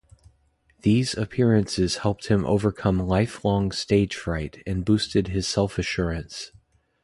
These appearances helped him overcome life-long stage fright and boosted his self-assurance.